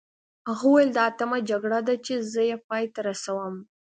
هغه وویل دا اتمه جګړه ده چې زه یې پای ته رسوم.